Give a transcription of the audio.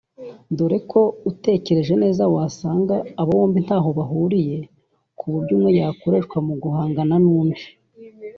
dore ko utekereje neza wasanga abo bombi ntaho bahuriye ku buryo umwe yakoreshwa mu guhangana n’undi